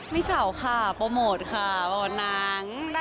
ไม่เฉาค่ะโปรโมทค่ะโปรนัง